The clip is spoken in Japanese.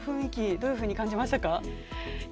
どんなふうに感じましたか？